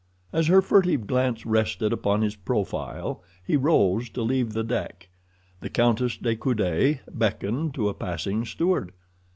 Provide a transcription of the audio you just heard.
As her furtive glance rested upon his profile he rose to leave the deck. The Countess de Coude beckoned to a passing steward.